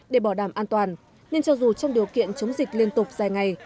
để bảo đảm an toàn nên cho dù trong điều kiện chống dịch liên tục dài ngày